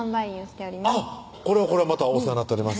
あぁっこれはこれはまたお世話になっております